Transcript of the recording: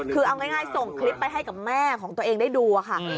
คือเอาง่ายส่งคลิปไปให้กับแม่ของตัวเองได้ดูค่ะ